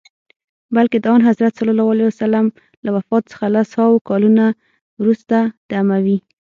بلکه د آنحضرت ص له وفات څخه لس هاوو کلونه وروسته د اموي.